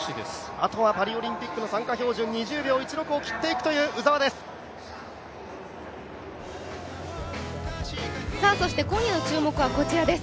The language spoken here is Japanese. あとはパリオリンピック参加標準２０秒１６を切っていく今夜の注目はこちらです。